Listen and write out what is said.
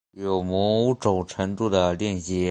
有某种程度的链接